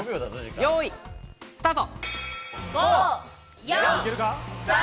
よい、スタート！